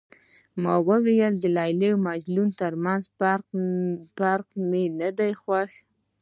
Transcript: ما وویل د لیلا او مجنون ترمنځ فراق مې نه دی خوښ.